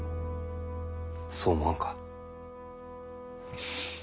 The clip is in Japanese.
そう思わんか？